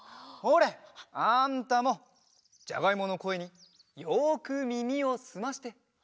ほれあんたもじゃがいものこえによくみみをすまして。